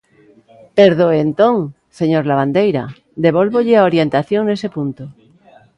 Perdoe entón, señor Lavandeira, devólvolle a orientación nese punto.